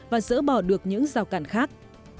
và dỡ bỏ được những rào cản khác